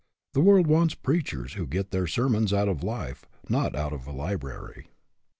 The world wants preachers who get their sermons out of life, not out of a library.